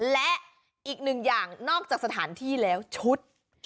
และอีกหนึ่งอย่างนอกจากสถานที่แล้วชุด